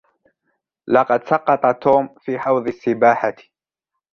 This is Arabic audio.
لقد سقط توم في حوض السباحة.